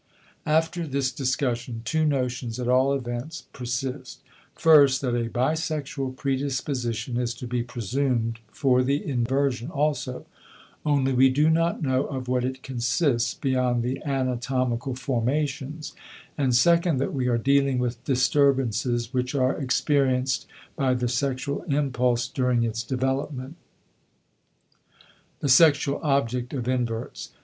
After this discussion, two notions, at all events, persist; first, that a bisexual predisposition is to be presumed for the inversion also, only we do not know of what it consists beyond the anatomical formations; and, second, that we are dealing with disturbances which are experienced by the sexual impulse during its development. *The Sexual Object of Inverts.